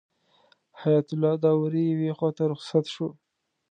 حیات الله داوري یوې خواته رخصت شو.